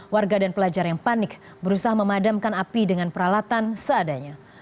warga dan pelajar yang panik berusaha memadamkan api dengan peralatan seadanya